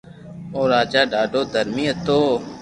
او راجا ڌاڌو درھمي ھتو